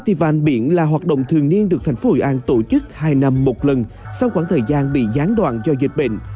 thái vàng biển là hoạt động thường niên được thành phố hội an tổ chức hai năm một lần sau khoảng thời gian bị gián đoạn do dịch bệnh